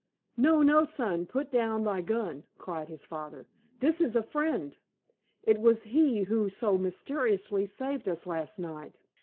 "No, no, son, put down thy gun," cried his father. "This is a friend. It was he who so mysteriously saved us last night.